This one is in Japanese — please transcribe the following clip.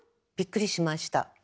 びっくりしました。